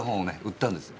売ったんです。